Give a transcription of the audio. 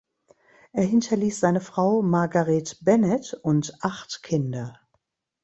Er hinterließ seine Frau Margaret Bennett und acht Kinder.